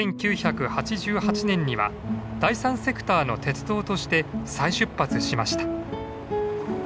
１９８８年には第３セクターの鉄道として再出発しました。